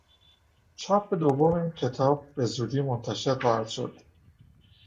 چاپ دوم این کتاب به زودی منتشر خواهد شد.